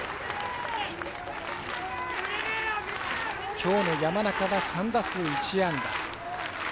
きょうの山中は３打数１安打。